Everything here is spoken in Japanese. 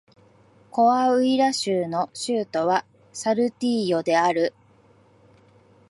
コアウイラ州の州都はサルティーヨである